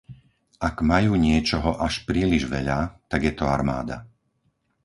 Ak majú niečoho až príliš veľa, tak je to armáda.